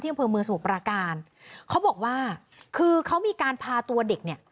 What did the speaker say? เที่ยงเผือเมืองสมุขประการเขาบอกว่าคือเขามีการพาตัวเด็กเนี้ย